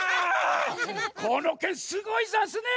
このけんすごいざんすね。